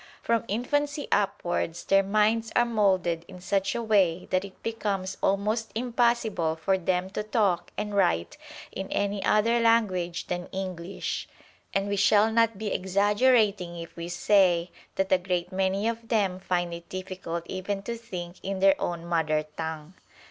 From infancy upwards their minds are moulded in such a way, that it becomes almost impossible for them to talk and write in any other language than English ; and we shall not be exaggerating if we say that a great many of them find it difficult even to think in their own mother tongue.